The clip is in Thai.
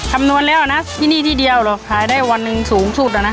คำนวณแล้วนะที่นี่ที่เดียวหรอกขายได้วันหนึ่งสูงสุดอะนะ